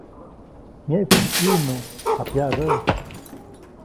Myeʼtsaʼuŋ ʼIʼnu, japyaʼtyaʼuŋ.